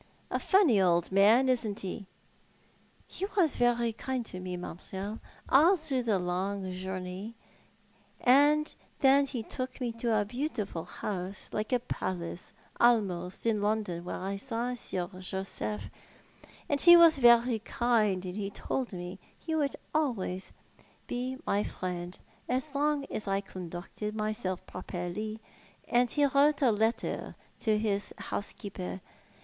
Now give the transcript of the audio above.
A funny old man, isn't he? "" He was very kind to me, mam'selle, all through the long journey, and then ho took me to a beautiful house — like a palace, almost— in London, where I saw Sir Joseph, and he was very kind, and he told me that he would always be my 48 Thou art the Man. friend, as long as I conducted myself properly, and lie wrote a letter to his housekeeper.